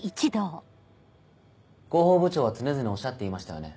広報部長は常々おっしゃっていましたよね。